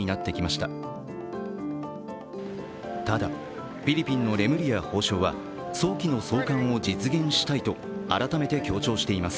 ただ、フィリピンのレムリヤ法相は早期の送還を実現したいと改めて強調しています。